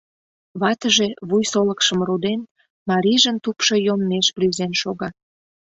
Ватыже, вуй солыкшым руден, марийжын тупшо йоммеш рӱзен шога.